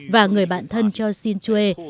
và người bạn thân choi shin chul